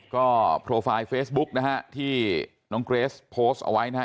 ก็โปรไฟล์เฟซบุ๊กนะฮะที่น้องเกรสโพสต์เอาไว้นะฮะ